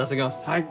はい。